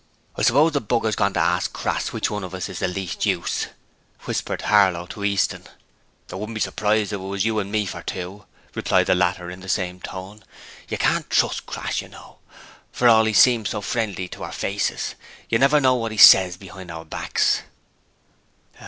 'I suppose the b r's gone to ask Crass which of us is the least use,' whispered Harlow to Easton. 'I wouldn't be surprised if it was you and me, for two,' replied the latter in the same tone. 'You can't trust Crass you know, for all 'e seems so friendly to our faces. You never know what 'e ses behind our backs.'